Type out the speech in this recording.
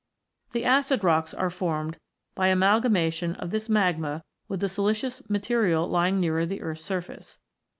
The acid rocks are formed by amalgamation of this magma with siliceous material lying nearer the earth's surface.